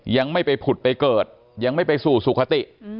ยังไม่ไปผุดไปเกิดยังไม่ไปสู่สุขติ